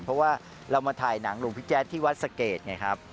เพราะว่าเรามาถ่ายหนังหลวงพี่แจ๊ดที่วัดสะเกดไงครับ